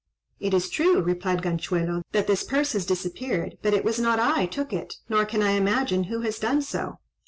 "It is true," replied Ganchuelo, "that this purse has disappeared, but it was not I took it, nor can I imagine who has done so."